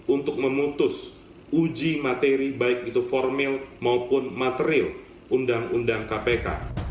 untuk memutus uji materi baik itu formil maupun material undang undang kpk